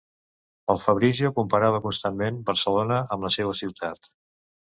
El Fabrizio comparava constantment Barcelona amb la seua ciutat...